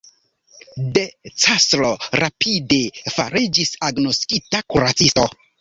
De Castro rapide fariĝis agnoskita kuracisto.